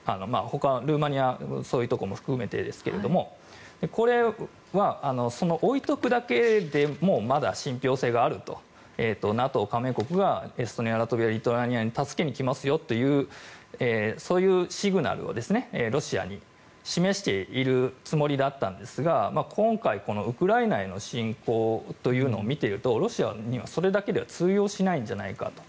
ルーマニアとかも含めてですけどこれは置いておくだけでもまだ信ぴょう性があるとＮＡＴＯ加盟国がエストニア、ラトビアリトアニアを助けに来ますよというそういうシグナルをロシアに示しているつもりだったんですが今回、ウクライナへの侵攻というのを見ているとロシアにはそれだけでは通用しないんじゃないかと。